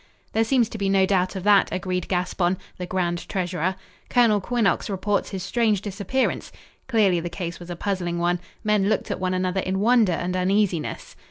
"There seems to be no doubt of that," agreed Gaspon, the grand treasurer. "Colonel Quinnox reports his strange disappearance." Clearly the case was a puzzling one. Men looked at one another in wonder and uneasiness.